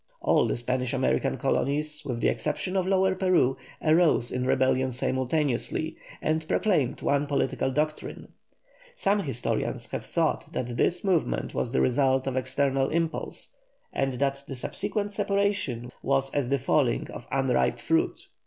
All the Spanish American colonies with the exception of Lower Peru, arose in rebellion simultaneously, and proclaimed one political doctrine. Some historians have thought that this movement was the result of an external impulse, and that the subsequent separation was as the falling of unripe fruit.